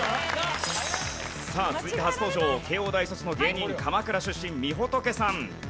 さあ続いて初登場慶応大卒の芸人鎌倉出身みほとけさん。